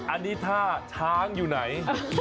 อันนี้ถ้าช้างอยู่ไหน